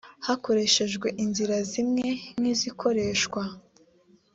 hakoreshejwe inzira zimwe nk izikoreshwa